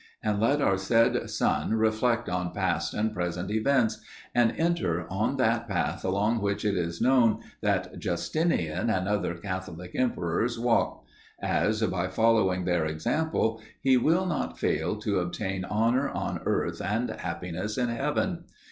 And let our said son reflect on past and present events, and enter on that path along which it is known that Justinian and other Catholic emperors walked; as, by following their example, he will not fail to obtain honor on earth and happiness in heaven.